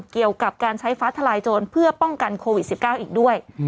เกี่ยวกับการใช้ฟ้าทลายโจรเพื่อป้องกันโควิด๑๙อีกด้วย